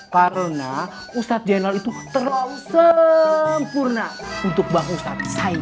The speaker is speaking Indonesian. karena ustaz zainal itu terlalu sempurna untuk mbak ustaz saini